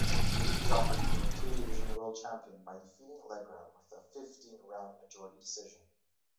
Jofre became a two-division world champion by defeating Legra with a fifteen-round majority decision.